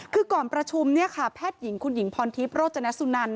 คือก่อนประชุมเนี่ยค่ะแพทย์หญิงคุณหญิงพรทิพย์โรจนสุนัน